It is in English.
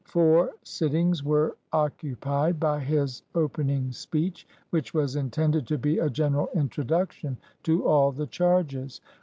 Four sittings were occu pied by his opening speech, which was intended to be a general introduction to all the charges.